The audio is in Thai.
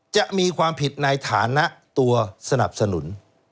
จะมีความผิดในฐานะตัวสนับสนุน